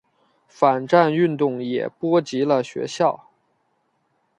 反战运动也波及了学校。